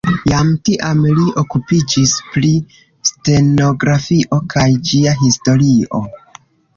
Jam tiam li okupiĝis pri stenografio kaj ĝia historio.